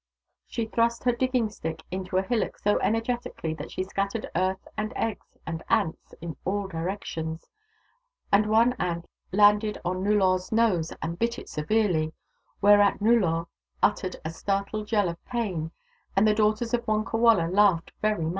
She thrust her digging stick into a hillock so energetically that she scattered earth and eggs and ants in all directions, and one ant landed on Nullor 's nose and bit it severely — whereat Nullor uttered a startled j^ell of pain, and the daughters of Wonkawala laughed very much.